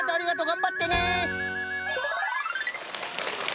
がんばってね！